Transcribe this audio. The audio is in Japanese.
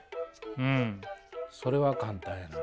うんそれは簡単やな。